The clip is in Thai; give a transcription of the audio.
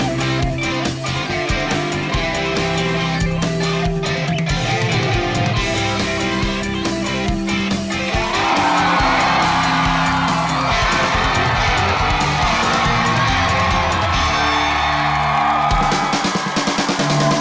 ผู้เจอสีแดงของผู้ที่ผู้ชมและทำให้ผู้ได้ผูลมันสนุก